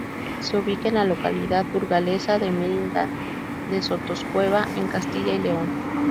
Se ubica en la localidad burgalesa de Merindad de Sotoscueva, en Castilla y León.